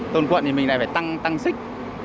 tôn quận thì mình lại phải tăng xích